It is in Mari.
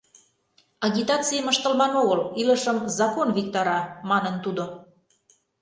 — Агитацийым ыштылман огыл, илышым закон виктара, — манын тудо.